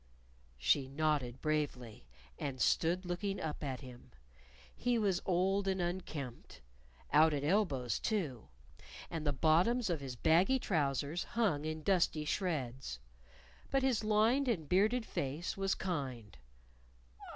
She nodded bravely, and stood looking up at him. He was old and unkempt. Out at elbows, too. And the bottoms of his baggy trousers hung in dusty shreds. But his lined and bearded face was kind!